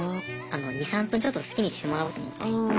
２３分ちょっと好きにしてもらおうと思って。